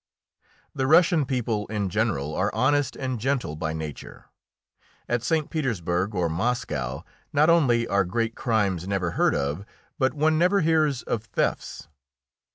The Russian people in general are honest and gentle by nature. At St. Petersburg or Moscow not only are great crimes never heard of, but one never hears of thefts.